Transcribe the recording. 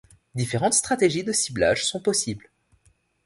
Différentes stratégies de ciblage sont possibles.